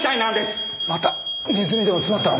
またネズミでも詰まったのか？